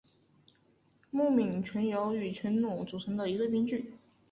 木皿泉由和泉努组成的一对编剧。